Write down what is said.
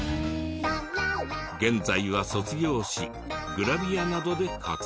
現在は卒業しグラビアなどで活動。